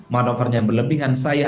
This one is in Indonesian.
manuvernya berlebihan saya